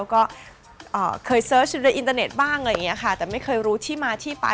เข่าเคยเซอร์จโดยอินเทอร์เน็ตบ้างอะไรอย่างนี้ค่ะ